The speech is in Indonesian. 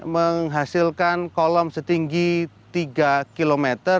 menghasilkan kolom setinggi tiga km